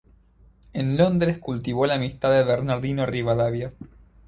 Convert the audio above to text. En Londres cultivó la amistad de Bernardino Rivadavia.